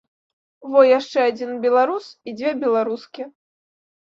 Во яшчэ адзін беларус і дзве беларускі.